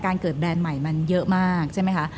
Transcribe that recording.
เกิดแบรนด์ใหม่มันเยอะมากใช่ไหมคะ